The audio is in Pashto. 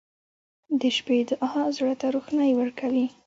• د شپې دعا زړه ته روښنایي ورکوي.